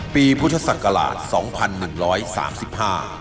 ปีพุชศักราช๒๑๓๕